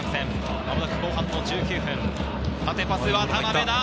間もなく後半１９分、縦パス、渡辺だ！